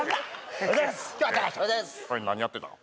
あれ何やってたの？